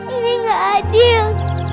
ini gak adil